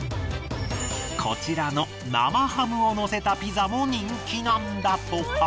こちらの生ハムをのせたピザも人気なんだとか。